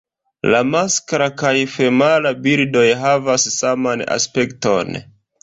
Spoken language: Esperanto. La maskla kaj femala birdoj havas saman aspekton.